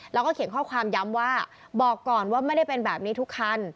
แล้วก็เขียนข้อความย้ำว่าบอกก่อนว่าไม่ได้เป็นแบบนี้ทุกคัน